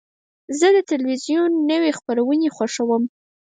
زه د تلویزیون نوی خپرونې خوښوم.